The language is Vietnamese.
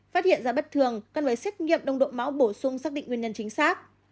phát hiện ra bất thường cần phải xét nghiệm đồng độ máu bổ sung xác định nguyên nhân chính xác